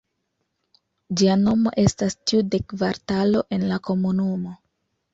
Ĝia nomo estas tiu de kvartalo en la komunumo.